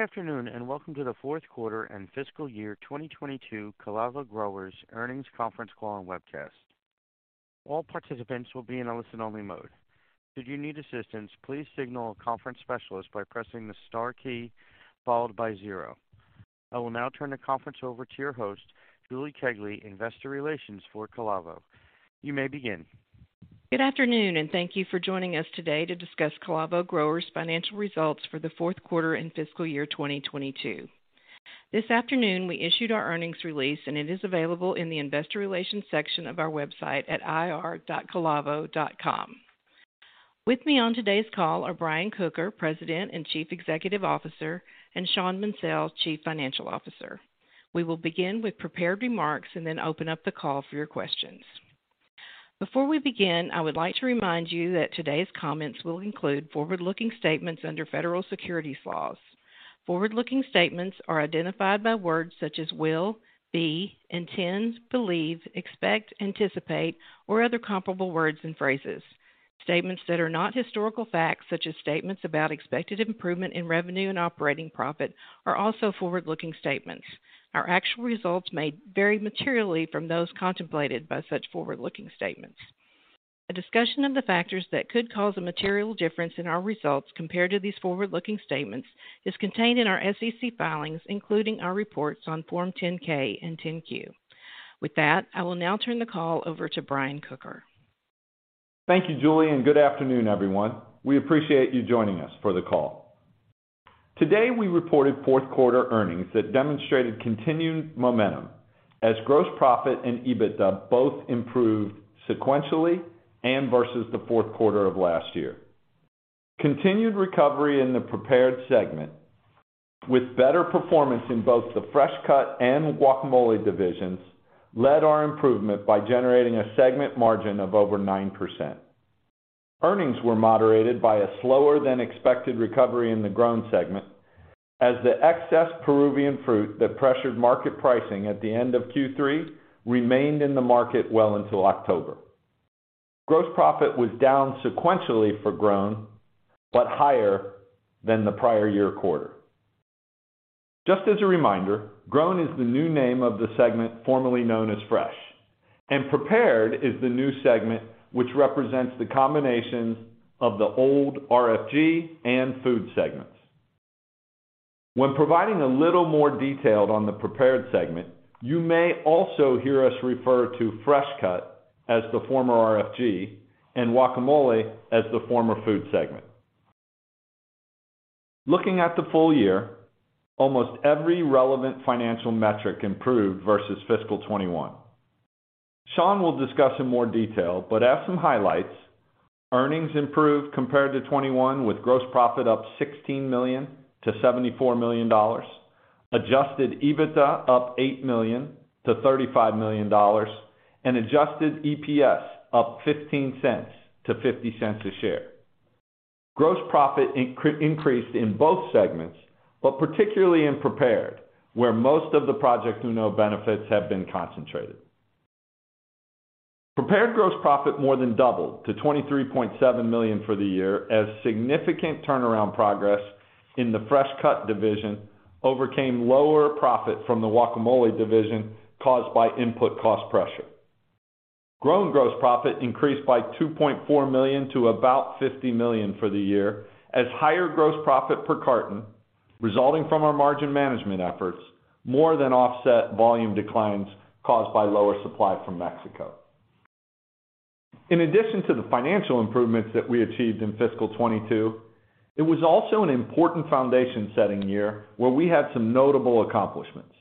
Good afternoon, and welcome to the fourth quarter and fiscal year 2022 Calavo Growers earnings conference call and webcast. All participants will be in a listen-only mode. Should you need assistance, please signal a conference specialist by pressing the star key followed by 0. I will now turn the conference over to your host, Julie Kegley, Investor Relations for Calavo. You may begin. Good afternoon, and thank you for joining us today to discuss Calavo Growers' financial results for the fourth quarter and fiscal year 2022. This afternoon, we issued our earnings release, and it is available in the investor relations section of our website at ir.calavo.com. With me on today's call are Brian Kocher, President and Chief Executive Officer, and Shawn Munsell, Chief Financial Officer. We will begin with prepared remarks and then open up the call for your questions. Before we begin, I would like to remind you that today's comments will include forward-looking statements under federal securities laws. Forward-looking statements are identified by words such as will, be, intends, believe, expect, anticipate, or other comparable words and phrases. Statements that are not historical facts, such as statements about expected improvement in revenue and operating profit, are also forward-looking statements. Our actual results may vary materially from those contemplated by such forward-looking statements. A discussion of the factors that could cause a material difference in our results compared to these forward-looking statements is contained in our SEC filings, including our reports on Form 10-K and Form 10-Q. With that, I will now turn the call over to Brian Kocher. Thank you, Julie. Good afternoon, everyone. We appreciate you joining us for the call. Today, we reported fourth quarter earnings that demonstrated continued momentum as gross profit and EBITDA both improved sequentially and versus the fourth quarter of last year. Continued recovery in the prepared segment with better performance in both the fresh cut and guacamole divisions led our improvement by generating a segment margin of over 9%. Earnings were moderated by a slower than expected recovery in the Grown segment as the excess Peruvian fruit that pressured market pricing at the end of Q3 remained in the market well until October. Gross profit was down sequentially for grown, but higher than the prior year quarter. Just as a reminder, grown is the new name of the segment formerly known as fresh. Prepared is the new segment which represents the combination of the old RFG and Food segments. When providing a little more detail on the prepared segment, you may also hear us refer to fresh-cut as the former RFG and guacamole as the former Food segment. Looking at the full year, almost every relevant financial metric improved versus fiscal 2021. Shawn will discuss in more detail, but as some highlights, earnings improved compared to 2021 with gross profit up $16 million–$74 million, adjusted EBITDA up $8 million–$35 million, and adjusted EPS up $0.15–$0.50 a share. Gross profit increased in both segments, but particularly in prepared, where most of the Project Uno benefits have been concentrated. Prepared gross profit more than doubled to $23.7 million for the year as significant turnaround progress in the fresh cut division overcame lower profit from the guacamole division caused by input cost pressure. Grown gross profit increased by $2.4 million to about $50 million for the year as higher gross profit per carton resulting from our margin management efforts more than offset volume declines caused by lower supply from Mexico. In addition to the financial improvements that we achieved in fiscal 2022, it was also an important foundation-setting year where we had some notable accomplishments.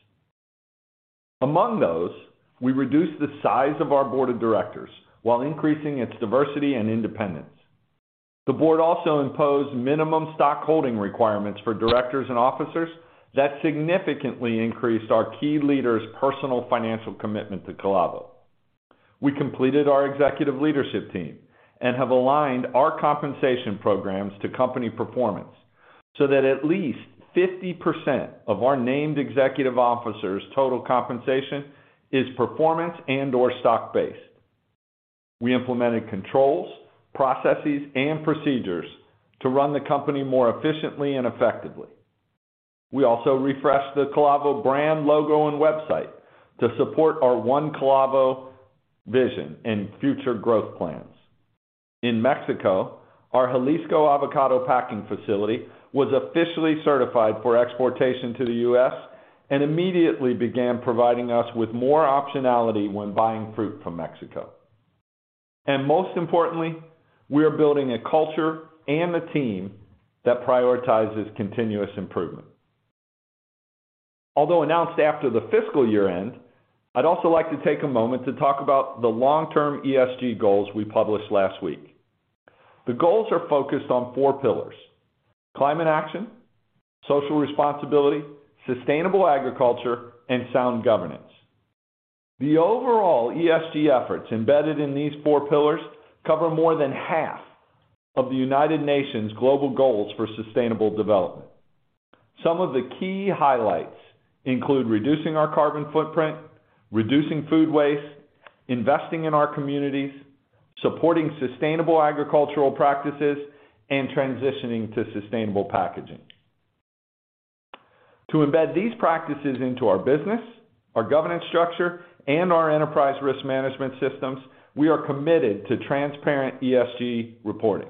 Among those, we reduced the size of our board of directors while increasing its diversity and independence. The board also imposed minimum stock holding requirements for directors and officers that significantly increased our key leaders' personal financial commitment to Calavo. We completed our executive leadership team and have aligned our compensation programs to company performance so that at least 50% of our named executive officers' total compensation is performance and/or stock-based. We implemented controls, processes, and procedures to run the company more efficiently and effectively. We also refreshed the Calavo brand logo and website to support our One Calavo vision and future growth plans. In Mexico, our Jalisco avocado packing facility was officially certified for exportation to the U.S. and immediately began providing us with more optionality when buying fruit from Mexico. Most importantly, we are building a culture and a team that prioritizes continuous improvement. Although announced after the fiscal year-end, I'd also like to take a moment to talk about the long-term ESG goals we published last week. The goals are focused on four pillars: climate action, social responsibility, sustainable agriculture, and sound governance. The overall ESG efforts embedded in these four pillars cover more than half of the United Nations Global Goals for sustainable development. Some of the key highlights include reducing our carbon footprint, reducing food waste, investing in our communities, supporting sustainable agricultural practices and transitioning to sustainable packaging. To embed these practices into our business, our governance structure, and our enterprise risk management systems, we are committed to transparent ESG reporting,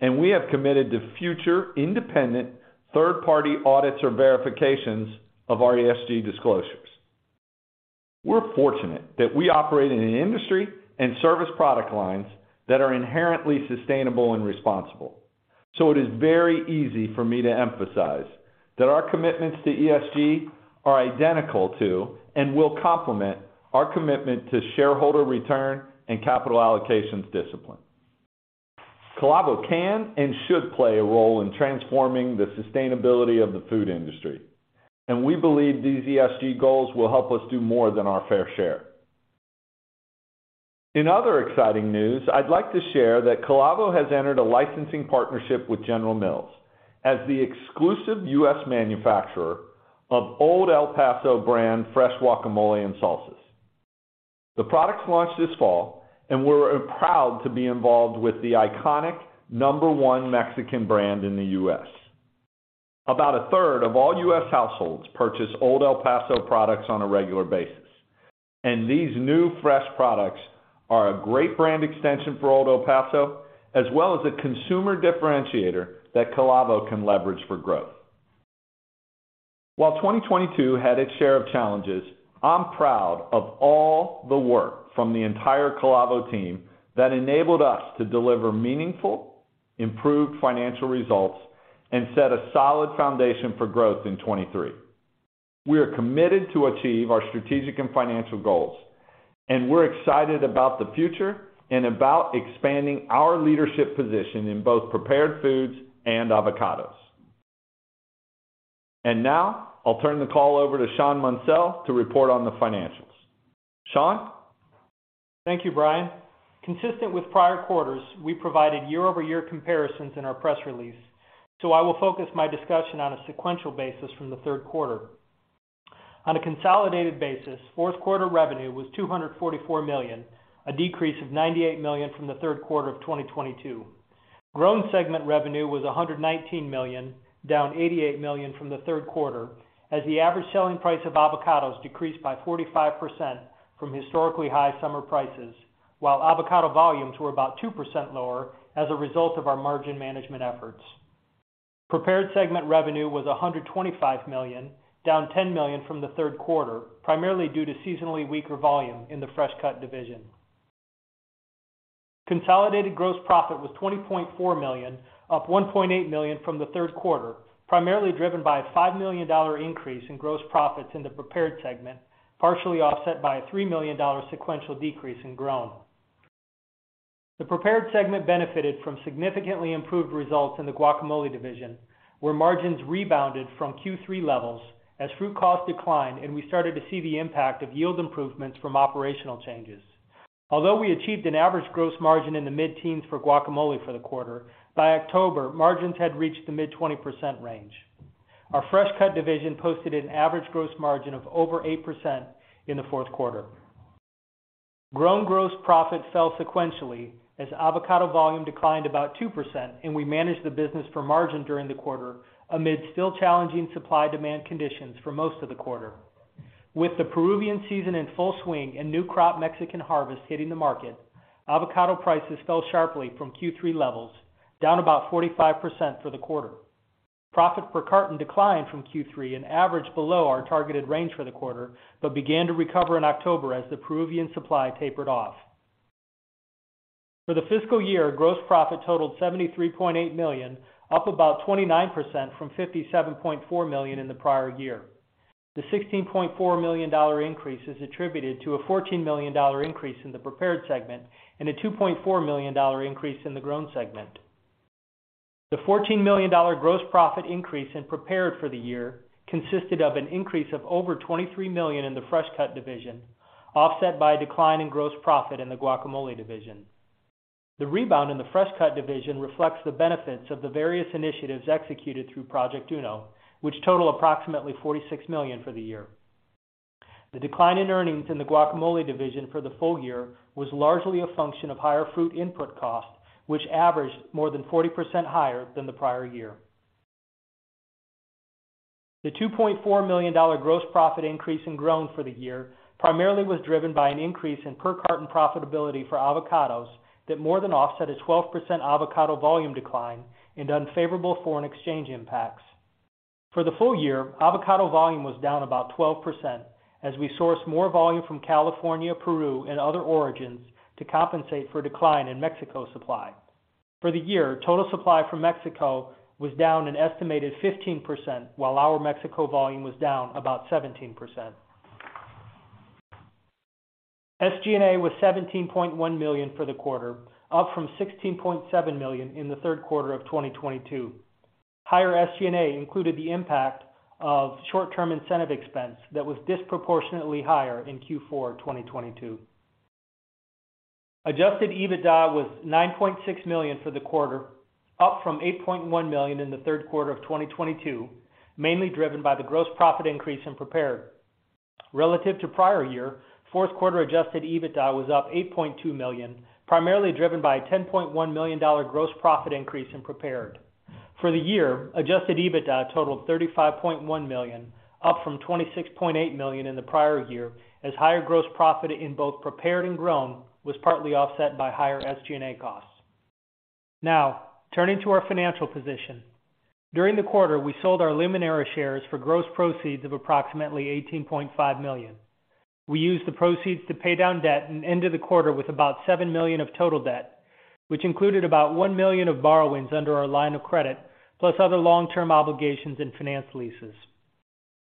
and we have committed to future independent third-party audits or verifications of our ESG disclosures. We're fortunate that we operate in an industry and service product lines that are inherently sustainable and responsible. It is very easy for me to emphasize that our commitments to ESG are identical to and will complement our commitment to shareholder return and capital allocations discipline. Calavo can and should play a role in transforming the sustainability of the food industry, and we believe these ESG goals will help us do more than our fair share. In other exciting news, I'd like to share that Calavo has entered a licensing partnership with General Mills as the exclusive U.S. manufacturer of Old El Paso-brand fresh guacamole and salsas. The products launched this fall, and we're proud to be involved with the iconic number one Mexican brand in the U.S. About a third of all U.S. households purchase Old El Paso products on a regular basis, and these new fresh products are a great brand extension for Old El Paso, as well as a consumer differentiator that Calavo can leverage for growth. While 2022 had its share of challenges, I'm proud of all the work from the entire Calavo team that enabled us to deliver meaningful, improved financial results and set a solid foundation for growth in 2023. We are committed to achieve our strategic and financial goals, we're excited about the future and about expanding our leadership position in both prepared foods and avocados. Now I'll turn the call over to Shawn Munsell to report on the financials. Shawn? Thank you, Brian. Consistent with prior quarters, we provided year-over-year comparisons in our press release. I will focus my discussion on a sequential basis from the third quarter. On a consolidated basis, fourth quarter revenue was $244 million, a decrease of $98 million from the third quarter of 2022. Grown segment revenue was $119 million, down $88 million from the third quarter as the average selling price of avocados decreased by 45% from historically high summer prices, while avocado volumes were about 2% lower as a result of our margin management efforts. Prepared segment revenue was $125 million, down $10 million from the third quarter, primarily due to seasonally weaker volume in the fresh cut division. Consolidated gross profit was $20.4 million, up $1.8 million from the third quarter, primarily driven by a $5 million increase in gross profit in the prepared segment, partially offset by a $3 million sequential decrease in grown. The prepared segment benefited from significantly improved results in the guacamole division, where margins rebounded from Q3 levels as fruit costs declined, and we started to see the impact of yield improvements from operational changes. Although we achieved an average gross margin in the mid-teens for guacamole for the quarter, by October, margins had reached the mid-20% range. Our fresh cut division posted an average gross margin of over 8% in the fourth quarter. Grown gross profit fell sequentially as avocado volume declined about 2%. We managed the business for margin during the quarter amid still challenging supply-demand conditions for most of the quarter. With the Peruvian season in full swing and new crop Mexican harvest hitting the market, avocado prices fell sharply from Q3 levels, down about 45% for the quarter. Profit per carton declined from Q3 and averaged below our targeted range for the quarter, but began to recover in October as the Peruvian supply tapered off. For the fiscal year, gross profit totaled $73.8 million, up about 29% from $57.4 million in the prior year. The $16.4 million increase is attributed to a $14 million increase in the prepared segment and a $2.4 million increase in the Grown segment. The $14 million gross profit increase in prepared for the year consisted of an increase of over $23 million in the fresh cut division, offset by a decline in gross profit in the guacamole division. The rebound in the fresh cut division reflects the benefits of the various initiatives executed through Project Uno, which totaled approximately $46 million for the year. The decline in earnings in the guacamole division for the full year was largely a function of higher fruit input costs, which averaged more than 40% higher than the prior year. The $2.4 million gross profit increase in grown for the year primarily was driven by an increase in per carton profitability for avocados that more than offset a 12% avocado volume decline and unfavorable foreign exchange impacts. For the full year, avocado volume was down about 12% as we sourced more volume from California, Peru, and other origins to compensate for a decline in Mexico supply. For the year, total supply from Mexico was down an estimated 15%, while our Mexico volume was down about 17%. SG&A was $17.1 million for the quarter, up from $16.7 million in the third quarter of 2022. Higher SG&A included the impact of short-term incentive expense that was disproportionately higher in Q4 2022. Adjusted EBITDA was $9.6 million for the quarter, up from $8.1 million in the third quarter of 2022, mainly driven by the gross profit increase in prepared. Relative to prior year, fourth quarter adjusted EBITDA was up $8.2 million, primarily driven by a $10.1 million gross profit increase in prepared. For the year, adjusted EBITDA totaled $35.1 million, up from $26.8 million in the prior year, as higher gross profit in both prepared and grown was partly offset by higher SG&A costs. Now, turning to our financial position. During the quarter, we sold our Limoneira shares for gross proceeds of approximately $18.5 million. We used the proceeds to pay down debt and ended the quarter with about $7 million of total debt, which included about $1 million of borrowings under our line of credit, plus other long-term obligations and finance leases.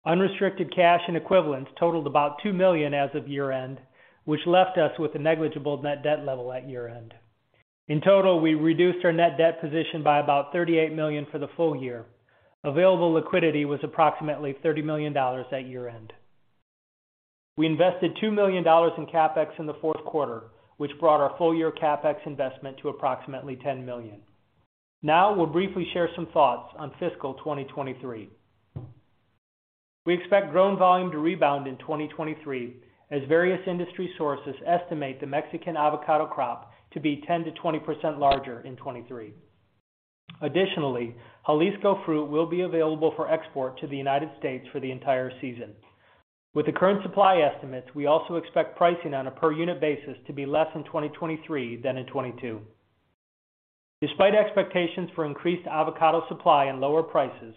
Unrestricted cash and equivalents totaled about $2 million as of year-end, which left us with a negligible net debt level at year-end. In total, we reduced our net debt position by about $38 million for the full year. Available liquidity was approximately $30 million at year-end. We invested $2 million in CapEx in the fourth quarter, which brought our full year CapEx investment to approximately $10 million. We'll briefly share some thoughts on fiscal 2023. We expect grown volume to rebound in 2023, as various industry sources estimate the Mexican avocado crop to be 10%–20% larger in 2023. Additionally, Jalisco fruit will be available for export to the United States for the entire season. With the current supply estimates, we also expect pricing on a per-unit basis to be less in 2023 than in 2022. Despite expectations for increased avocado supply and lower prices,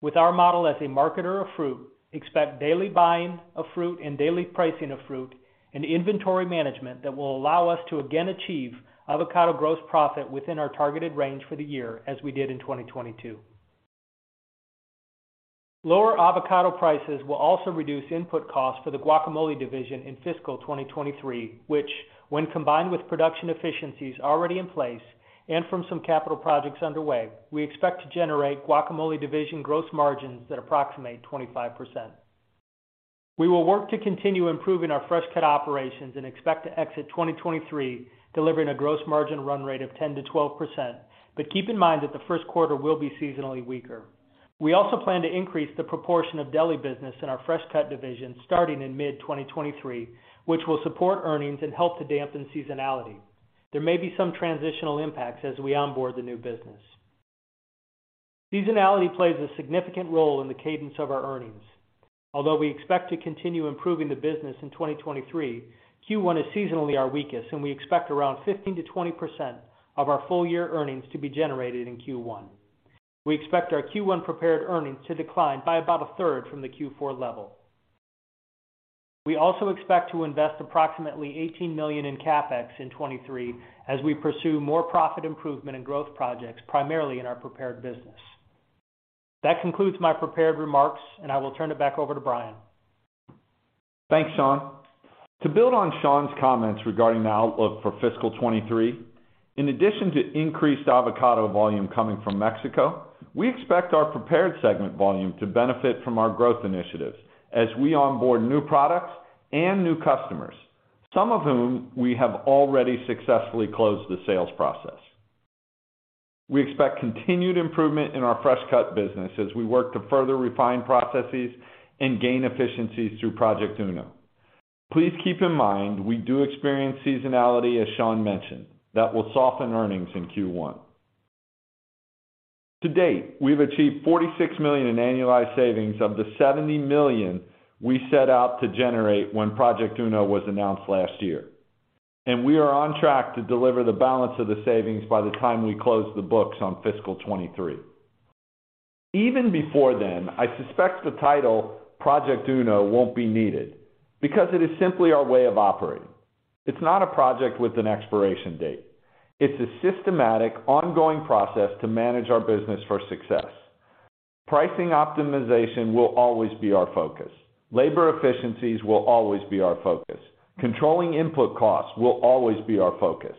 with our model as a marketer of fruit, expect daily buying of fruit and daily pricing of fruit and inventory management that will allow us to again achieve avocado gross profit within our targeted range for the year, as we did in 2022. Lower avocado prices will also reduce input costs for the guacamole division in fiscal 2023, which when combined with production efficiencies already in place and from some capital projects underway, we expect to generate guacamole division gross margins that approximate 25%. We will work to continue improving our fresh cut operations and expect to exit 2023 delivering a gross margin run rate of 10%–12%. Keep in mind that the first quarter will be seasonally weaker. We also plan to increase the proportion of deli business in our fresh cut division starting in mid-2023, which will support earnings and help to dampen seasonality. There may be some transitional impacts as we onboard the new business. Seasonality plays a significant role in the cadence of our earnings. Although we expect to continue improving the business in 2023, Q1 is seasonally our weakest, and we expect around 15%–20% of our full year earnings to be generated in Q1. We expect our Q1 prepared earnings to decline by about a third from the Q4 level. We also expect to invest approximately $18 million in CapEx in 2023 as we pursue more profit improvement and growth projects, primarily in our prepared business. That concludes my prepared remarks, and I will turn it back over to Brian. Thanks, Shawn. To build on Shawn's comments regarding the outlook for fiscal 2023. In addition to increased avocado volume coming from Mexico, we expect our prepared segment volume to benefit from our growth initiatives as we onboard new products and new customers, some of whom we have already successfully closed the sales process. We expect continued improvement in our fresh cut business as we work to further refine processes and gain efficiencies through Project Uno. Please keep in mind we do experience seasonality, as Shawn mentioned, that will soften earnings in Q1. To date, we've achieved $46 million in annualized savings of the $70 million we set out to generate when Project Uno was announced last year, and we are on track to deliver the balance of the savings by the time we close the books on fiscal 2023. Even before then, I suspect the title Project Uno won't be needed because it is simply our way of operating. It's not a project with an expiration date. It's a systematic, ongoing process to manage our business for success. Pricing optimization will always be our focus. Labor efficiencies will always be our focus. Controlling input costs will always be our focus.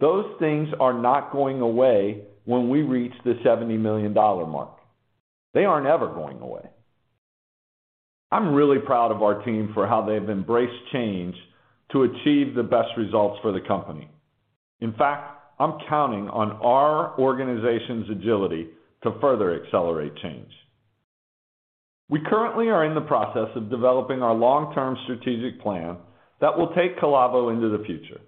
Those things are not going away when we reach the $70 million mark. They aren't ever going away. I'm really proud of our team for how they've embraced change to achieve the best results for the company. I'm counting on our organization's agility to further accelerate change. We currently are in the process of developing our long-term strategic plan that will take Calavo into the future.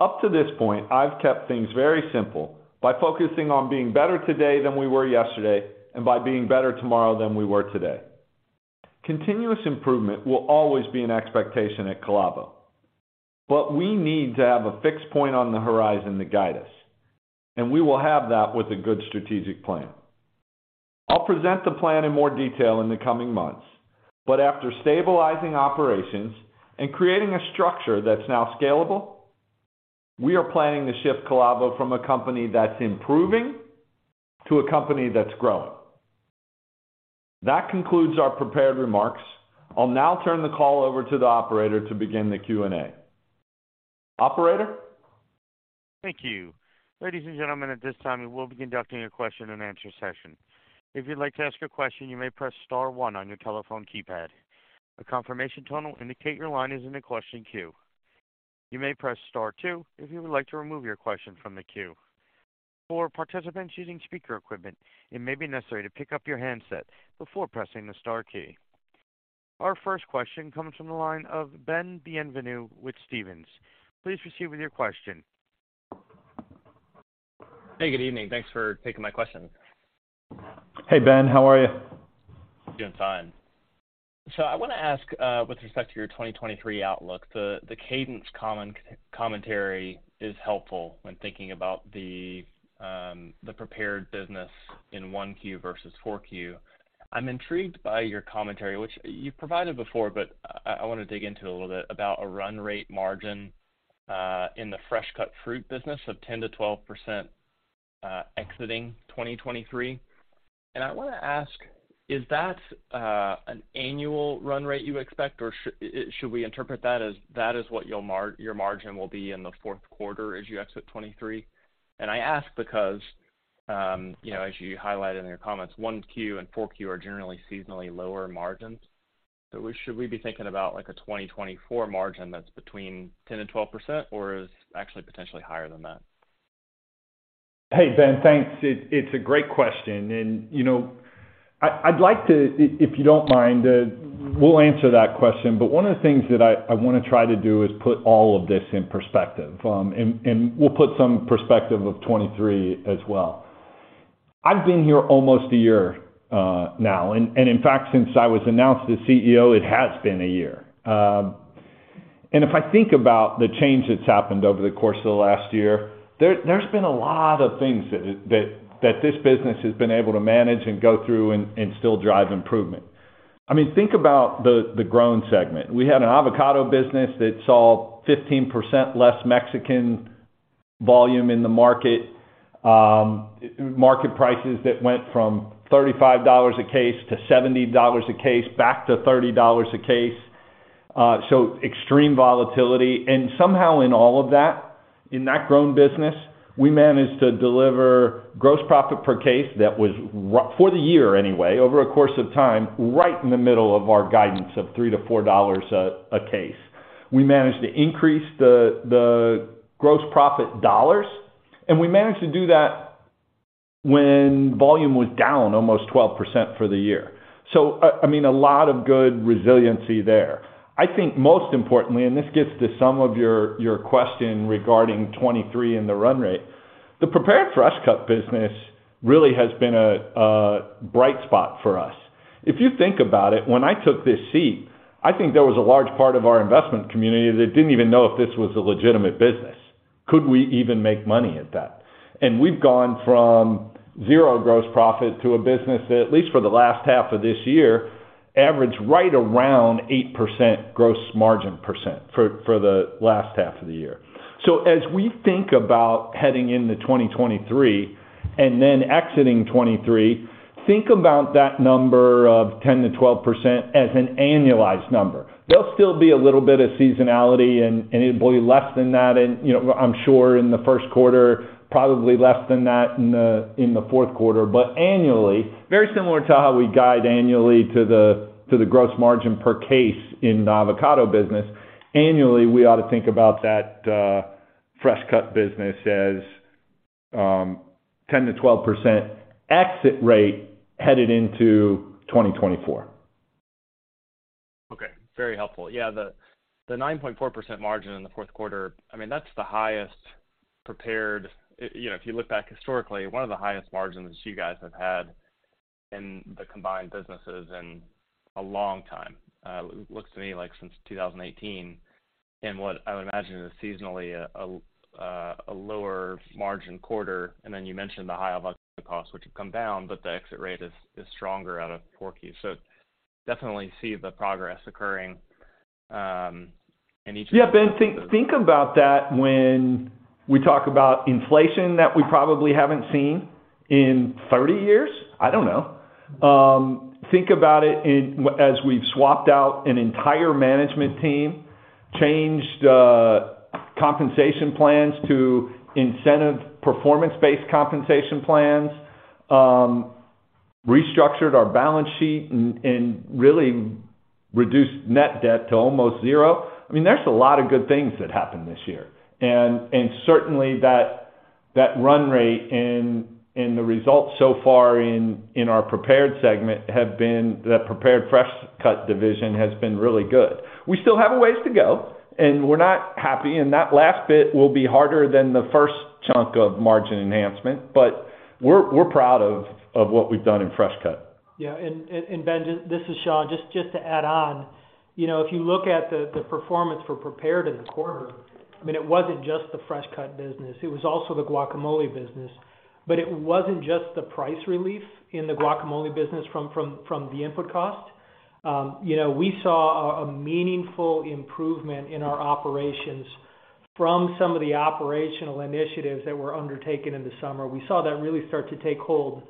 Up to this point, I've kept things very simple by focusing on being better today than we were yesterday and by being better tomorrow than we were today. Continuous improvement will always be an expectation at Calavo, but we need to have a fixed point on the horizon to guide us, and we will have that with a good strategic plan. I'll present the plan in more detail in the coming months, but after stabilizing operations and creating a structure that's now scalable, we are planning to shift Calavo from a company that's improving to a company that's growing. That concludes our prepared remarks. I'll now turn the call over to the operator to begin the Q&A. Operator? Thank you. Ladies and gentlemen, at this time, we will be conducting a question-and-answer session. If you'd like to ask a question, you may press star one on your telephone keypad. A confirmation tone will indicate your line is in the question queue. You may press star two if you would like to remove your question from the queue. For participants using speaker equipment, it may be necessary to pick up your handset before pressing the star key. Our first question comes from the line of Ben Bienvenu with Stephens. Please proceed with your question. Hey, good evening. Thanks for taking my question. Hey, Ben. How are you? Doing fine. I want to ask with respect to your 2023 outlook, the commentary is helpful when thinking about the prepared business in 1Q versus 4Q. I'm intrigued by your commentary, which you've provided before, but I want to dig into a little bit about a run rate margin in the fresh cut fruit business of 10%-12% exiting 2023. I want to ask, is that an annual run rate you expect or should we interpret that as that is what your margin will be in the fourth quarter as you exit 2023? I ask because, you know, as you highlighted in your comments, 1Q and 4Q are generally seasonally lower margins. Should we be thinking about like a 2024 margin that's between 10% and 12% or is actually potentially higher than that? Hey, Ben. Thanks. It's a great question. You know, I'd like to, if you don't mind, we'll answer that question, but one of the things that I want to try to do is put all of this in perspective. We'll put some perspective of 2023 as well. I've been here almost a year now, and in fact, since I was announced as CEO, it has been a year. If I think about the change that's happened over the course of the last year, there's been a lot of things that this business has been able to manage and go through and still drive improvement. I mean, think about the Grown segment. We had an avocado business that saw 15% less Mexican volume in the market. Market prices that went from $35 a case to $70 a case, back to $30 a case. Extreme volatility. Somehow in all of that, in that grown business, we managed to deliver gross profit per case that was for the year anyway, over a course of time, right in the middle of our guidance of $3-$4 a case. We managed to increase the gross profit dollars, and we managed to do that when volume was down almost 12% for the year. I mean, a lot of good resiliency there. I think most importantly, and this gets to some of your question regarding 23 and the run rate, the prepared fresh cut business really has been a bright spot for us. If you think about it, when I took this seat, I think there was a large part of our investment community that didn't even know if this was a legitimate business. Could we even make money at that? We've gone from 0 gross profit to a business that, at least for the last half of this year, averaged right around 8% gross margin percent for the last half of the year. As we think about heading into 2023 and then exiting 2023, think about that number of 10%-12% as an annualized number. There'll still be a little bit of seasonality and it'll be less than that in, you know, I'm sure in the first quarter, probably less than that in the fourth quarter. Annually, very similar to how we guide annually to the gross margin per case in the avocado business. Annually, we ought to think about that fresh cut business as 10%-12% exit rate headed into 2024. Okay, very helpful. Yeah, the 9.4% margin in the fourth quarter, I mean, that's the highest prepared... You know, if you look back historically, one of the highest margins you guys have had in the combined businesses in a long time, looks to me like since 2018, in what I would imagine is seasonally a lower margin quarter. Then you mentioned the high avocado costs, which have come down, but the exit rate is stronger out of 4Q. Definitely see the progress occurring in each of these- Yeah, Ben, think about that when we talk about inflation that we probably haven't seen in 30 years. I don't know. Think about it in, as we've swapped out an entire management team, changed compensation plans to incentive performance-based compensation plans, restructured our balance sheet and really reduced net debt to almost 0. I mean, there's a lot of good things that happened this year. Certainly that run rate and the results so far in our prepared segment have been. The prepared fresh cut division has been really good. We still have a ways to go, and we're not happy, and that last bit will be harder than the first chunk of margin enhancement, but we're proud of what we've done in fresh cut. Yeah. Ben, this is Shawn. Just to add on. You know, if you look at the performance for prepared in the quarter, I mean, it wasn't just the fresh cut business, it was also the guacamole business. It wasn't just the price relief in the guacamole business from the input cost. You know, we saw a meaningful improvement in our operations from some of the operational initiatives that were undertaken in the summer. We saw that really start to take hold,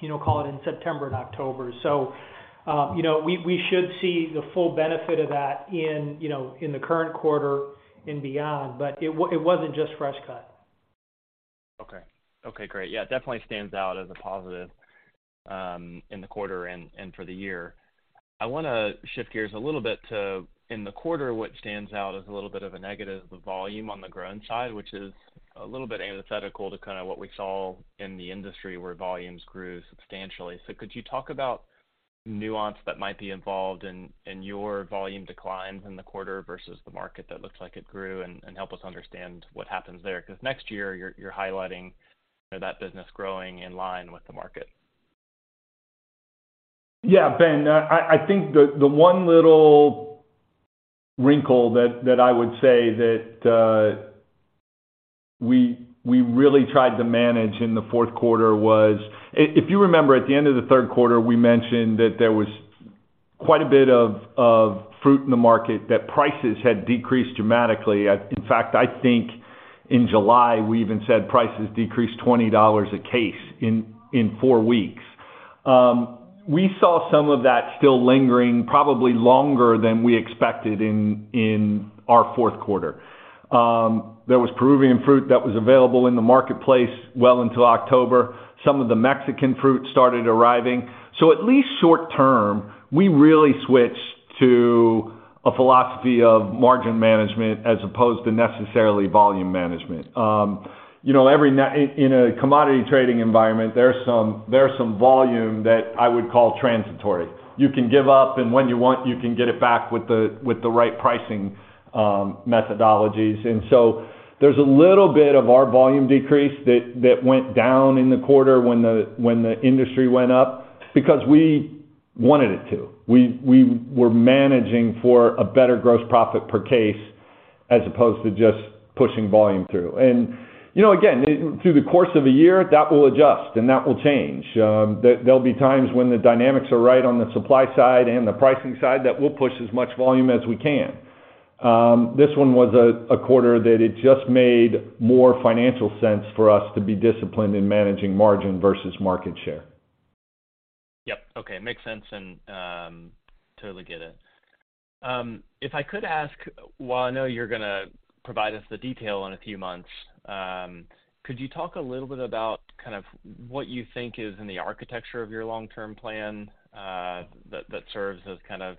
you know, call it in September and October. You know, we should see the full benefit of that in, you know, in the current quarter and beyond. It wasn't just fresh cut. Okay. Okay, great. Yeah, it definitely stands out as a positive in the quarter and for the year. I want to shift gears a little bit to, in the quarter, what stands out as a little bit of a negative, the volume on the grown side, which is a little bit antithetical to kind of what we saw in the industry where volumes grew substantially. Could you talk about nuance that might be involved in your volume declines in the quarter versus the market that looks like it grew and help us understand what happens there? 'Cause next year, you're highlighting that business growing in line with the market. Yeah, Ben. I think the one little wrinkle that I would say that we really tried to manage in the fourth quarter was. If you remember, at the end of the third quarter, we mentioned that there was quite a bit of fruit in the market that prices had decreased dramatically. In fact, I think in July, we even said prices decreased $20 a case in four weeks. We saw some of that still lingering probably longer than we expected in our fourth quarter. There was Peruvian fruit that was available in the marketplace well into October. Some of the Mexican fruit started arriving. At least short term, we really switched to a philosophy of margin management as opposed to necessarily volume management. you know, every in a commodity trading environment, there's some volume that I would call transitory. You can give up, and when you want, you can get it back with the right pricing methodologies. There's a little bit of our volume decrease that went down in the quarter when the industry went up because we wanted it to. We were managing for a better gross profit per case as opposed to just pushing volume through. you know, again, through the course of a year, that will adjust, and that will change. There'll be times when the dynamics are right on the supply side and the pricing side that we'll push as much volume as we can. This one was a quarter that it just made more financial sense for us to be disciplined in managing margin versus market share. Yep. Okay. Makes sense and totally get it. If I could ask, while I know you're going to provide us the detail in a few months, could you talk a little bit about kind of what you think is in the architecture of your long-term plan that serves as kind of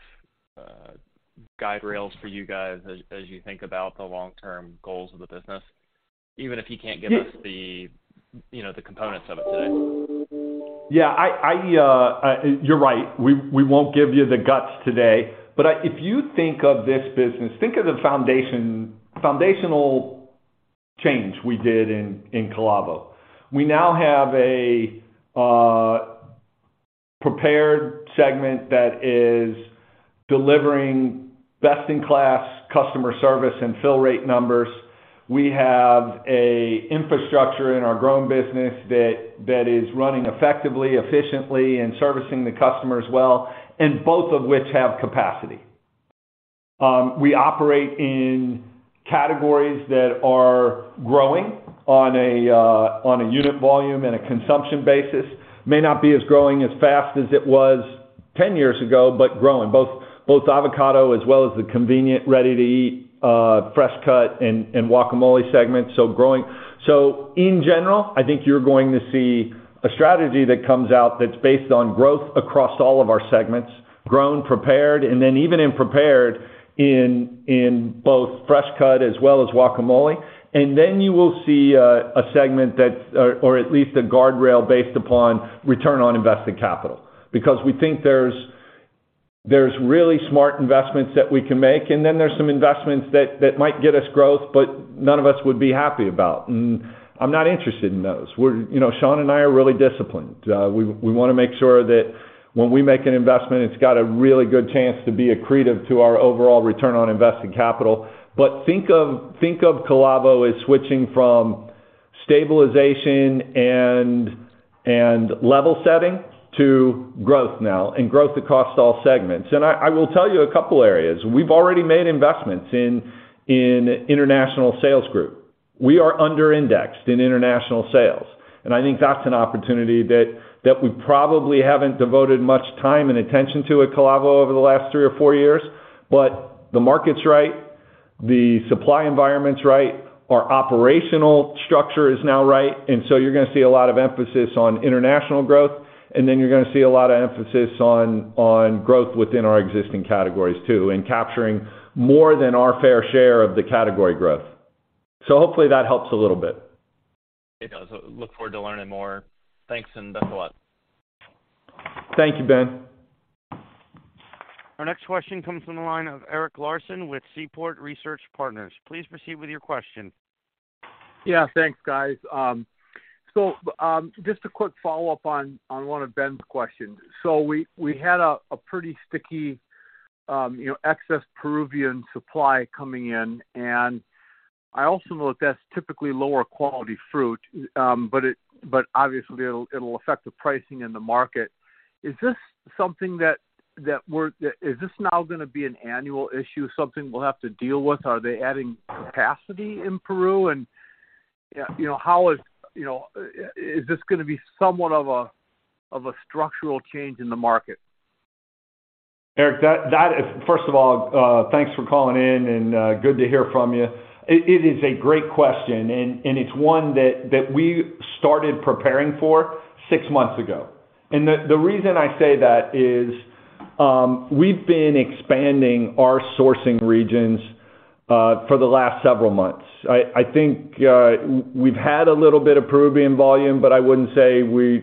guide rails for you guys as you think about the long-term goals of the business, even if you can't give us the, you know, the components of it today? Yeah. I, you're right. We won't give you the guts today. If you think of this business, think of the foundational change we did in Calavo. We now have a prepared segment that is delivering best in class customer service and fill rate numbers. We have an infrastructure in our grown business that is running effectively, efficiently and servicing the customers well, and both of which have capacity. We operate in categories that are growing on a unit volume and a consumption basis. May not be as growing as fast as it was 10 years ago, but growing. Both avocado as well as the convenient, ready-to-eat, fresh cut and guacamole segment, so growing. In general, I think you're going to see a strategy that comes out that's based on growth across all of our segments, grown, prepared, and then even in prepared in both fresh cut as well as guacamole. Then you will see a segment that's or at least a guardrail based upon return on invested capital. We think there's really smart investments that we can make, and then there's some investments that might get us growth, but none of us would be happy about. I'm not interested in those. We're you know, Shawn Munsell and I are really disciplined. We want to make sure that when we make an investment, it's got a really good chance to be accretive to our overall return on invested capital. Think of Calavo as switching from stabilization and level setting to growth now and growth across all segments. I will tell you a couple areas. We've already made investments in international sales group. We are under-indexed in international sales, and I think that's an opportunity that we probably haven't devoted much time and attention to at Calavo over the last three or four years. The market's right, the supply environment's right, our operational structure is now right, and so you're going to see a lot of emphasis on international growth, and then you're going to see a lot of emphasis on growth within our existing categories too and capturing more than our fair share of the category growth. Hopefully that helps a little bit. It does. Look forward to learning more. Thanks, and thanks a lot. Thank you, Ben. Our next question comes from the line of Eric Larson with Seaport Research Partners. Please proceed with your question. Yeah. Thanks, guys. Just a quick follow-up on one of Ben's questions. We, we had a pretty sticky, you know, excess Peruvian supply coming in, and I also know that that's typically lower quality fruit, but obviously it'll affect the pricing in the market. Is this now going to be an annual issue, something we'll have to deal with? Are they adding capacity in Peru? You know, how is, you know, is this going to be somewhat of a, of a structural change in the market? Eric, that is first of all, thanks for calling in and good to hear from you. It is a great question and it's one that we started preparing for six months ago. The reason I say that is, we've been expanding our sourcing regions for the last several months. I think we've had a little bit of Peruvian volume, but I wouldn't say we're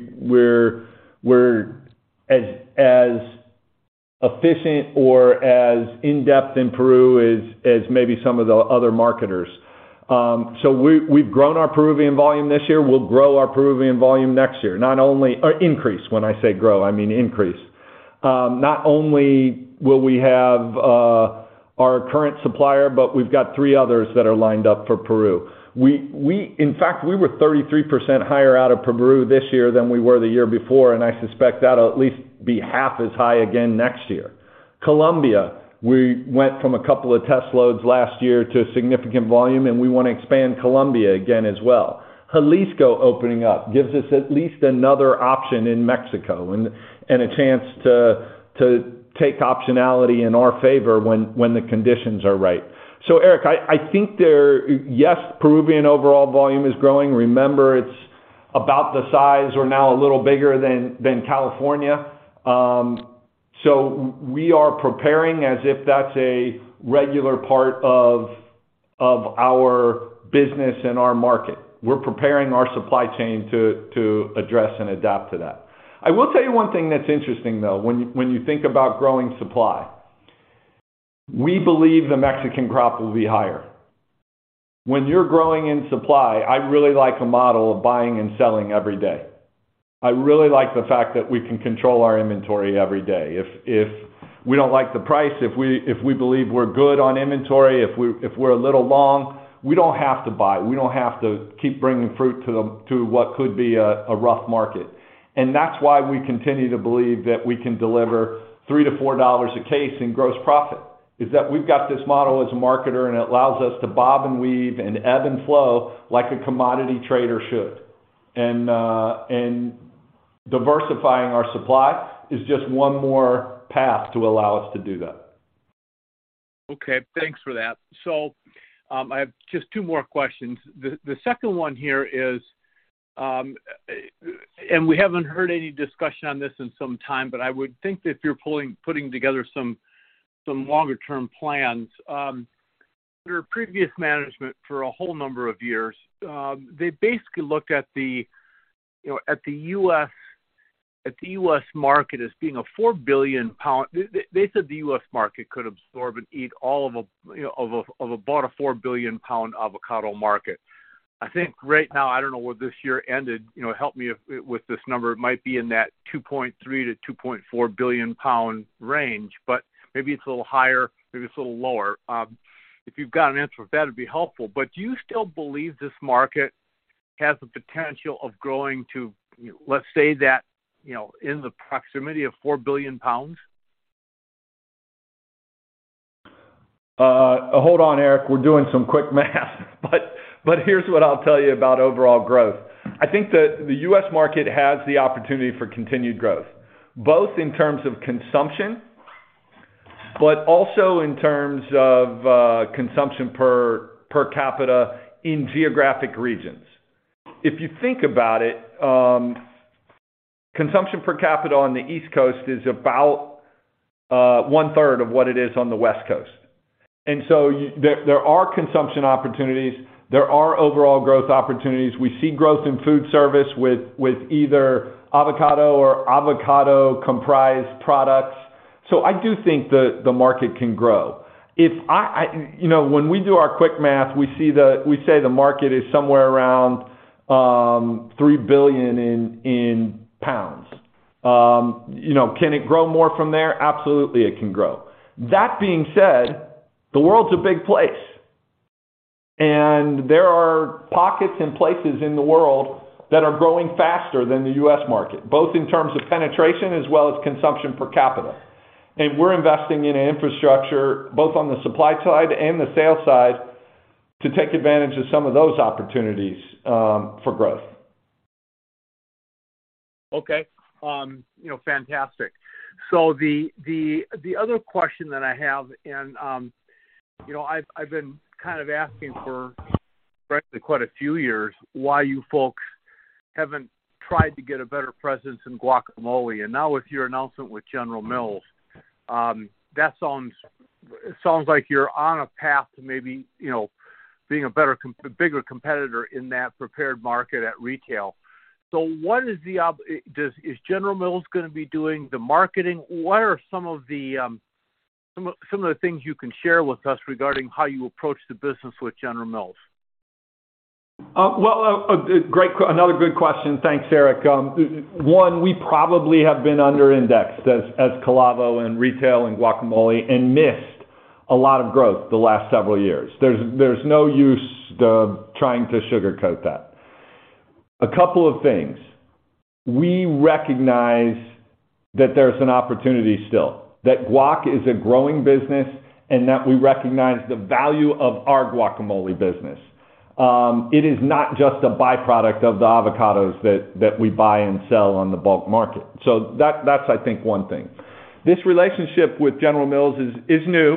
as efficient or as in-depth in Peru as maybe some of the other marketers. We've grown our Peruvian volume this year. We'll grow our Peruvian volume next year. Not only increase. When I say grow, I mean increase. Not only will we have our current supplier, but we've got three others that are lined up for Peru. We In fact, we were 33% higher out of Peru this year than we were the year before, and I suspect that'll at least be half as high again next year. Colombia, we went from a couple of test loads last year to a significant volume, and we want to expand Colombia again as well. Jalisco opening up gives us at least another option in Mexico and a chance to take optionality in our favor when the conditions are right. Eric, I think there. Yes, Peruvian overall volume is growing. Remember, it's about the size or now a little bigger than California. We are preparing as if that's a regular part of our business and our market. We're preparing our supply chain to address and adapt to that. I will tell you one thing that's interesting though, when you think about growing supply. We believe the Mexican crop will be higher. When you're growing in supply, I really like a model of buying and selling every day. I really like the fact that we can control our inventory every day. If we don't like the price, if we believe we're good on inventory, if we're a little long, we don't have to buy, we don't have to keep bringing fruit to what could be a rough market. That's why we continue to believe that we can deliver $3-$4 a case in gross profit, is that we've got this model as a marketer, and it allows us to bob and weave and ebb and flow like a commodity trader should. Diversifying our supply is just one more path to allow us to do that. Thanks for that. I have just two more questions. The second one here is, and we haven't heard any discussion on this in some time, I would think if you're putting together some longer-term plans, your previous management for a whole number of years, they basically looked at the, you know, at the U.S. market as being a 4 billion pound... They said the U.S. market could absorb and eat all of a, you know, of about a 4 billion pound avocado market. I think right now, I don't know where this year ended, you know, help me with this number. It might be in that 2.3 billion pound-2.4 billion pound range, but maybe it's a little higher, maybe it's a little lower. If you've got an answer for that, it'd be helpful. Do you still believe this market has the potential of growing to, you know, let's say that, you know, in the proximity of 4 billion pounds? Hold on, Eric. We're doing some quick math. Here's what I'll tell you about overall growth. I think that the U.S. market has the opportunity for continued growth, both in terms of consumption, but also in terms of consumption per capita in geographic regions. If you think about it, consumption per capita on the East Coast is about one-third of what it is on the West Coast. There are consumption opportunities, there are overall growth opportunities. We see growth in food service with either avocado or avocado comprised products. I do think the market can grow. You know, when we do our quick math, we say the market is somewhere around 3 billion pounds. You know, can it grow more from there? Absolutely, it can grow. That being said, the world's a big place, and there are pockets and places in the world that are growing faster than the U.S. market, both in terms of penetration as well as consumption per capita. We're investing in infrastructure both on the supply side and the sales side to take advantage of some of those opportunities for growth. Okay, you know, fantastic. The, the other question that I have and, you know, I've been kind of asking for frankly quite a few years why you folks haven't tried to get a better presence in guacamole. Now with your announcement with General Mills, that sounds like you're on a path to maybe, you know, being a better bigger competitor in that prepared market at retail. What is the Is General Mills going to be doing the marketing? What are some of the, some of the things you can share with us regarding how you approach the business with General Mills? Well, another good question. Thanks, Eric. One, we probably have been under-indexed as Calavo in retail and guacamole and missed a lot of growth the last several years. There's no use trying to sugarcoat that. A couple of things. We recognize that there's an opportunity still. That guac is a growing business and that we recognize the value of our guacamole business. It is not just a byproduct of the avocados that we buy and sell on the bulk market. That's, I think, one thing. This relationship with General Mills is new.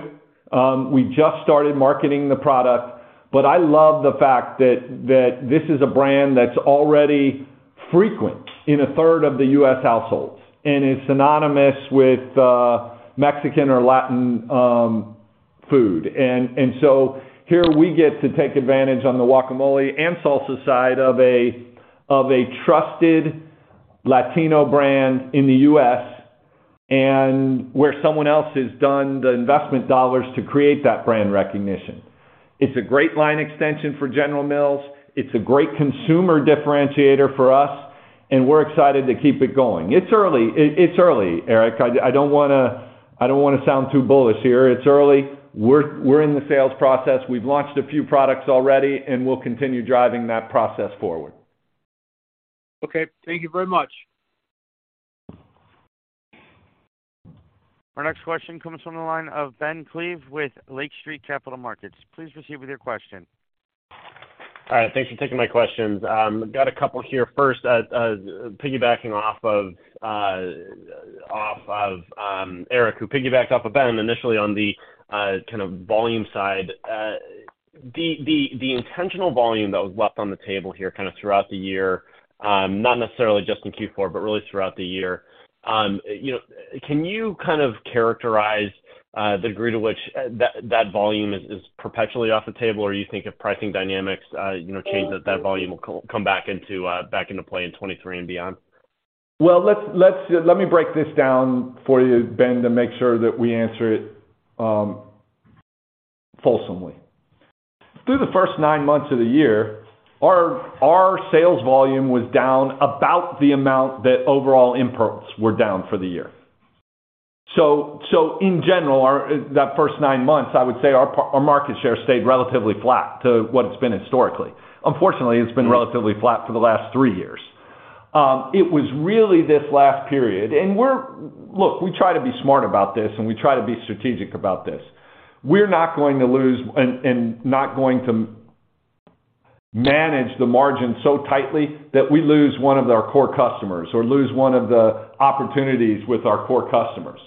We just started marketing the product, but I love the fact that this is a brand that's already frequent in a third of the U.S. households and is synonymous with Mexican or Latin food. Here we get to take advantage on the guacamole and salsa side of a trusted Latino brand in the U.S. and where someone else has done the investment dollars to create that brand recognition. It's a great line extension for General Mills. It's a great consumer differentiator for us, and we're excited to keep it going. It's early. It's early, Eric. I don't want to sound too bullish here. It's early. We're in the sales process. We've launched a few products already, and we'll continue driving that process forward. Okay. Thank you very much. Our next question comes from the line of Ben Klieve with Lake Street Capital Markets. Please proceed with your question. All right. Thanks for taking my questions. Got a couple here. First, piggybacking off of, off of Eric, who piggybacked off of Ben initially on the kind of volume side. The intentional volume that was left on the table here kind of throughout the year, not necessarily just in Q4, but really throughout the year, you know, can you kind of characterize the degree to which that volume is perpetually off the table, or you think if pricing dynamics, you know, change that volume will come back into play in 2023 and beyond? Well, let's, let me break this down for you, Ben, to make sure that we answer it fulsomely. Through the first nine months of the year, our sales volume was down about the amount that overall imports were down for the year. In general, that first nine months, I would say our market share stayed relatively flat to what it's been historically. Unfortunately, it's been relatively flat for the last 3 years. It was really this last period. Look, we try to be smart about this, and we try to be strategic about this. We're not going to lose and not going to manage the margin so tightly that we lose one of our core customers or lose one of the opportunities with our core customers.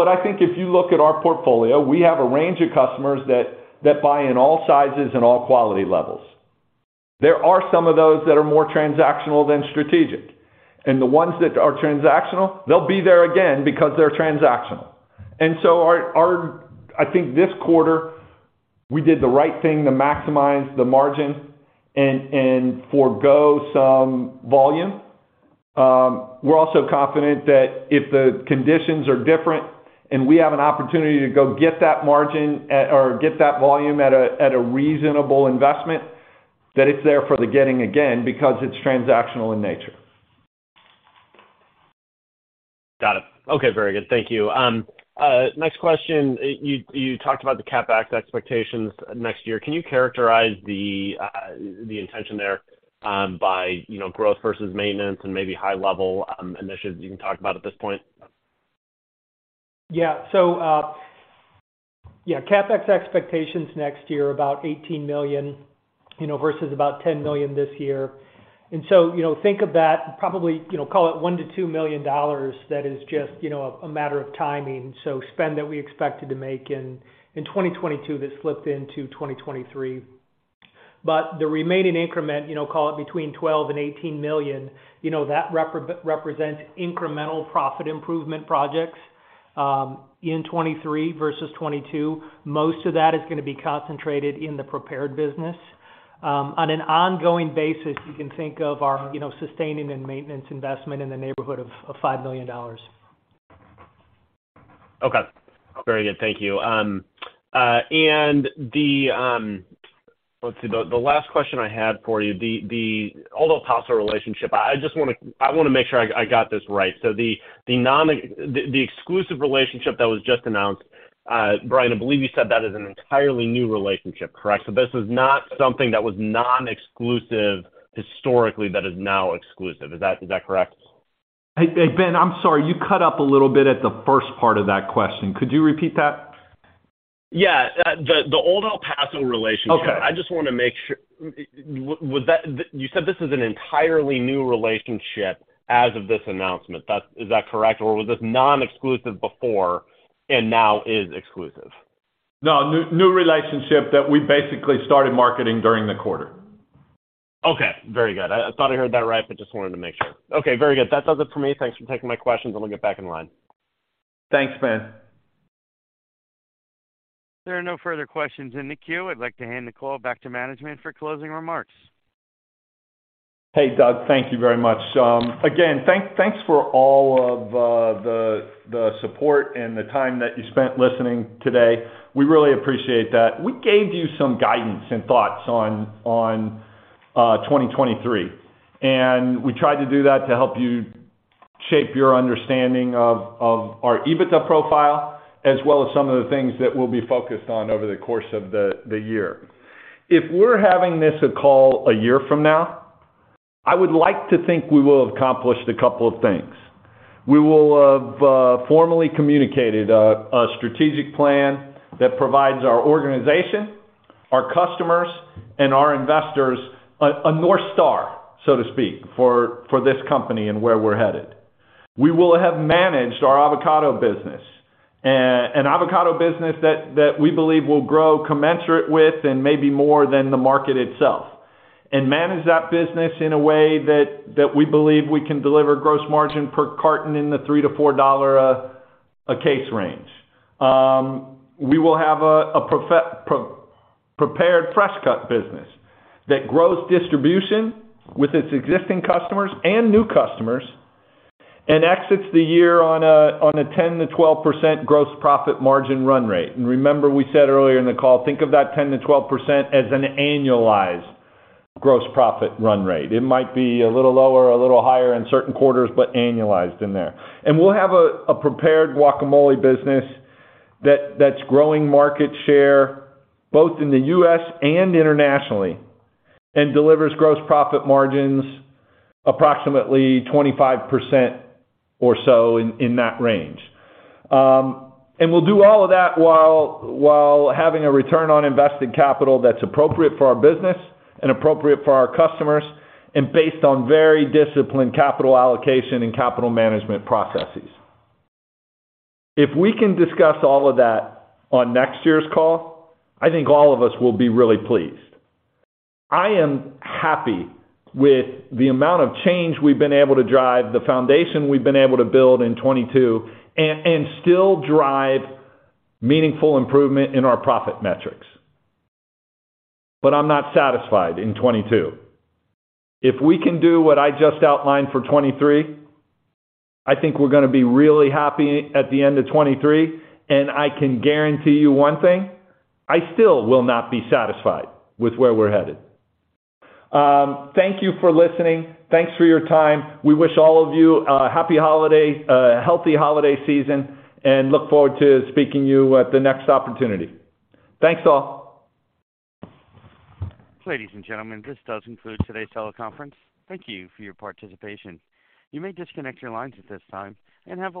I think if you look at our portfolio, we have a range of customers that buy in all sizes and all quality levels. There are some of those that are more transactional than strategic. The ones that are transactional, they'll be there again because they're transactional. I think this quarter, we did the right thing to maximize the margin and forego some volume. We're also confident that if the conditions are different and we have an opportunity to go get that margin or get that volume at a reasonable investment, that it's there for the getting again because it's transactional in nature. Got it. Okay. Very good. Thank you. next question. You talked about the CapEx expectations next year. Can you characterize the intention there, by, you know, growth versus maintenance and maybe high-level initiatives you can talk about at this point? Yeah, CapEx expectations next year, about $18 million, you know, versus about $10 million this year. You know, think of that, probably, you know, call it $1 million–$2 million that is just, you know, a matter of timing, so spend that we expected to make in 2022 that slipped into 2023. The remaining increment, you know, call it between $12 million and $18 million, you know, that represents incremental profit improvement projects in 2023 versus 2022. Most of that is going to be concentrated in the prepared business. On an ongoing basis, you can think of our, you know, sustaining and maintenance investment in the neighborhood of $5 million. Okay. Very good. Thank you. Let's see. The last question I had for you. The Old El Paso relationship. I just want to make sure I got this right. The exclusive relationship that was just announced, Brian, I believe you said that is an entirely new relationship, correct? This is not something that was non-exclusive historically that is now exclusive. Is that correct? Hey, hey, Ben, I'm sorry. You cut up a little bit at the first part of that question. Could you repeat that? Yeah. the Old El Paso relationship- Okay. You said this is an entirely new relationship as of this announcement. Is that correct? Was this non-exclusive before and now is exclusive? No, new relationship that we basically started marketing during the quarter. Okay. Very good. I thought I heard that right, but just wanted to make sure. Okay. Very good. That does it for me. Thanks for taking my questions, and I'll get back in line. Thanks, Ben. There are no further questions in the queue. I'd like to hand the call back to management for closing remarks. Hey, Doug. Thank you very much. Again, thanks for all of the support and the time that you spent listening today. We really appreciate that. We gave you some guidance and thoughts on 2023. We tried to do that to help you shape your understanding of our EBITDA profile, as well as some of the things that we'll be focused on over the course of the year. If we're having this call a year from now, I would like to think we will have accomplished a couple of things. We will have formally communicated a strategic plan that provides our organization, our customers, and our investors a North Star, so to speak, for this company and where we're headed. We will have managed our avocado business and an avocado business that we believe will grow commensurate with and maybe more than the market itself. Manage that business in a way that we believe we can deliver gross margin per carton in the $3–$4 a case range. We will have a prepared fresh cut business that grows distribution with its existing customers and new customers, and exits the year on a 10%–12% gross profit margin run rate. Remember we said earlier in the call, think of that 10%–12% as an annualized gross profit run rate. It might be a little lower or a little higher in certain quarters, but annualized in there. We'll have a prepared guacamole business that's growing market share both in the U.S. and internationally, and delivers gross profit margins approximately 25% or so in that range. We'll do all of that while having a return on invested capital that's appropriate for our business and appropriate for our customers, and based on very disciplined capital allocation and capital management processes. If we can discuss all of that on next year's call, I think all of us will be really pleased. I am happy with the amount of change we've been able to drive, the foundation we've been able to build in 2022 and still drive meaningful improvement in our profit metrics. I'm not satisfied in 2022. If we can do what I just outlined for 2023, I think we're going to be really happy at the end of 2023. I can guarantee you one thing, I still will not be satisfied with where we're headed. Thank you for listening. Thanks for your time. We wish all of you a happy holiday, a healthy holiday season, and look forward to speaking to you at the next opportunity. Thanks all. Ladies and gentlemen, this does conclude today's teleconference. Thank you for your participation. You may disconnect your lines at this time and have a wonderful day.